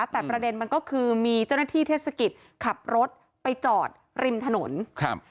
แต่ประเด็นมันก็คือมีเจ้าหน้าที่เทศกิจขับรถไปจอดริมถนนครับ